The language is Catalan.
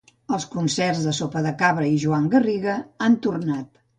Els concerts de Sopa de Cabra i Joan Garriga han tornat.